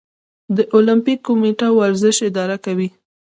د المپیک کمیټه ورزش اداره کوي